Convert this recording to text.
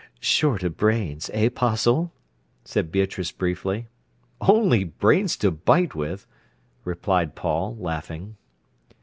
"Short of brains, eh, 'Postle?" said Beatrice briefly. "Only brains to bite with," replied Paul, laughing.